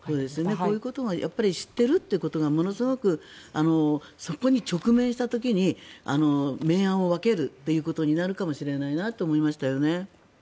こういうことを知っていることがものすごくそこに直面した時に明暗を分けるということになるかもしれないと思いましたよね。